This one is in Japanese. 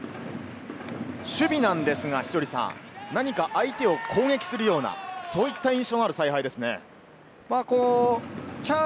守備なんですが、何か相手を攻略するような、そういった印象のある采配ですね。